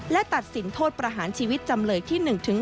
และตัดสินโทษประหารชีวิตจำเลยที่๑๒